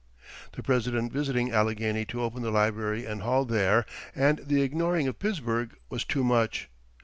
The President visiting Allegheny to open the library and hall there, and the ignoring of Pittsburgh, was too much.